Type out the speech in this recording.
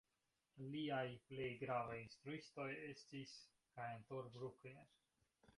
Liaj plej gravaj instruistoj estis kaj Anton Bruckner.